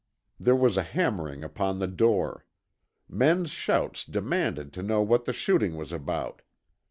There was hammering upon the door. Men's shouts demanded to know what the shooting was about.